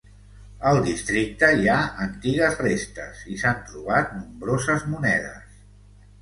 Al districte hi ha antigues restes i s'han trobat nombroses monedes.